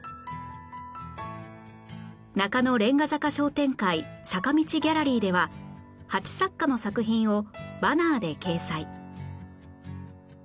中野レンガ坂商店会坂道ギャラリーでは８作家の作品をバナーで掲載